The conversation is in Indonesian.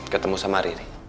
ketemu sama riri